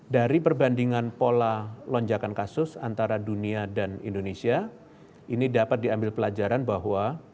dari perbandingan pola lonjakan kasus antara dunia dan indonesia ini dapat diambil pelajaran bahwa